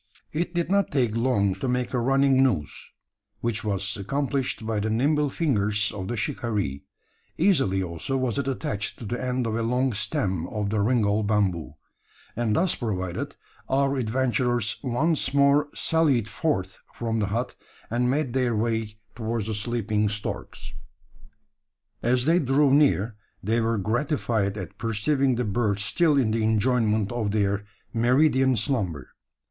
It did not take long to make a running noose, which was accomplished by the nimble fingers of the shikaree. Easily also was it attached to the end of a long stem of the ringall bamboo; and thus provided, our adventurers once more sallied forth from the hut; and made their way towards the sleeping storks. As they drew near, they were gratified at perceiving the birds still in the enjoyment of their meridian slumber.